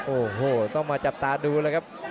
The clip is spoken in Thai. โอ้โหต้องมาจับตาดูเลยครับ